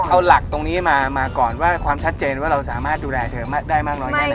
เอาหลักตรงนี้มาก่อนว่าความชัดเจนว่าเราสามารถดูแลเธอได้มากน้อยแค่ไหน